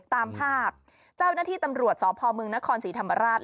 ตามภาพเจ้าหน้าที่ตำรวจสพมนครศรีธรรมราช